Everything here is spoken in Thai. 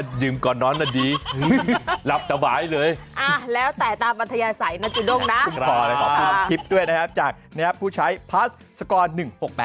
ถูกต้องนะขอบคุณคลิปด้วยนะครับจากผู้ใช้พลาสสกร๑๖๘ค่ะ